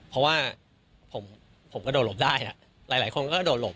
เพราะว่าผมกระโดดหลบได้หลายคนก็กระโดดหลบ